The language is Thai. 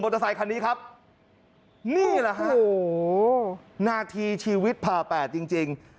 มอเตอร์ไซค์คันนี้ครับนี่แหละครับหน้าทีชีวิตพาแปดจริง